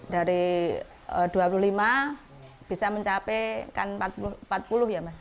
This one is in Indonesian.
dari dua puluh lima bisa mencapai empat puluh